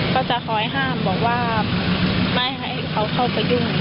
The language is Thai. ก็จะคอยห้ามบอกว่าไม่ให้เขาเข้าไปยุ่ง